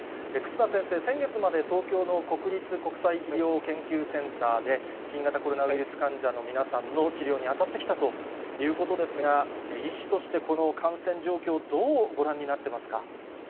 忽那先生、先月まで東京の国立国際医療研究センターで新型コロナウイルス患者の皆さんの治療に当たってきたということですが、医師としてこの感染状況をどうご覧になっていますか。